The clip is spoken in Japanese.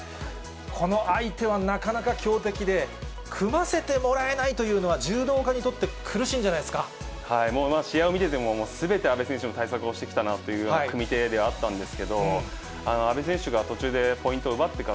この相手はなかなか強敵で、組ませてもらえないというのは柔道家にとって、苦しいんじゃない試合を見てても、すべて阿部選手の対策をしてきたなという、組み手ではあったんですけれども、阿部選手が途中でポイントを奪っ